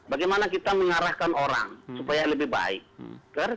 bagaimana kita mengarahkan orang supaya lebih baik